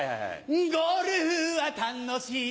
ゴルフは楽し